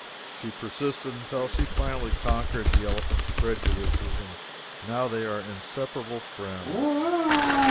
She persisted until she finally conquered the elephant's prejudices, and now they are inseparable friends.